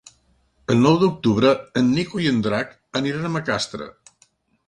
El nou d'octubre en Nico i en Drac aniran a Macastre.